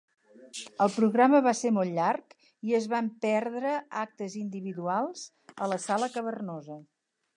El programa va ser molt llarg i es van perdre actes individuals a la sala cavernosa.